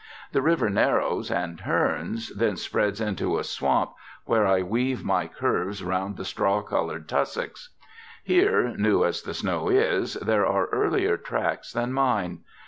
The river narrows and turns, then spreads into a swamp, where I weave my curves round the straw colored tussocks. Here, new as the snow is, there are earlier tracks than mine.